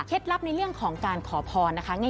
ลับในเรื่องของการขอพรนะคะ